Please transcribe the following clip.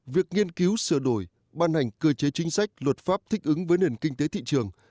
việc nghiên cứu sửa đổi ban hành cơ chế chính sách luật pháp thích ứng với nền kinh tế thị trường